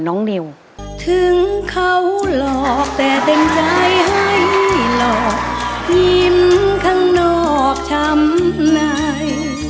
อย่างนี้ทั้งห้ำนิวฉิบมือโผล่ไฟด้าย